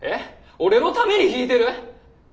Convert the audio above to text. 俺のために弾いてる？